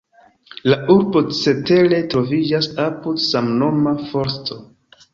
La urbo cetere troviĝas apud samnoma forsto.